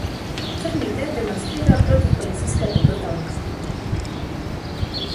Црнците демонстрираа против полициската бруталност.